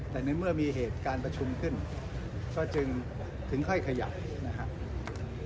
แต่ในเมื่อมีเหตุการณ์ประชุมขึ้นก็จึงถึงค่อยขยับนะครับ